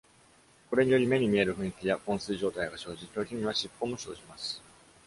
これにより、目に見える雰囲気や昏睡状態が生じ、ときには尻尾も生じます。